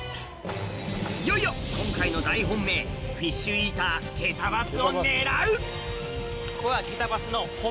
いよいよ今回の大本命フィッシュイーター「ケタバス」を狙う！